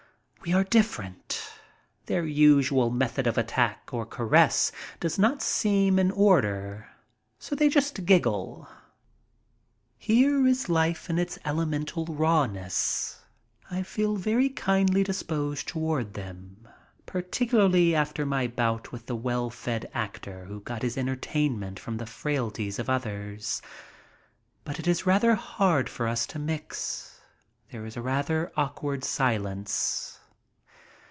We are different. Their usual method of attack or caress does not seem in order, so they just giggle. Here is life in its elemental rawness. I feel very kindly disposed toward them, particularly after my bout with the well fed actor who got his entertainment from the frailties of others. But it is rather hard for us to mix. There is a rather awkward silence.